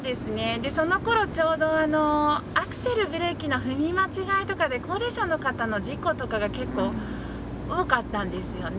でそのころちょうどアクセルブレーキの踏み間違いとかで高齢者の方の事故とかが結構多かったんですよね。